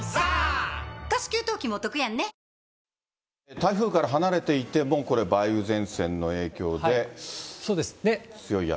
台風から離れていても、これ、梅雨前線の影響で強い雨。